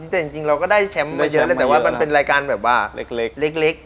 แต่จริงเราก็ได้แชมป์มาเยอะเลยแต่ว่ามันเป็นรายการแบบว่าเล็ก